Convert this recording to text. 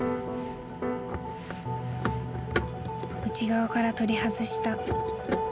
［内側から取り外した］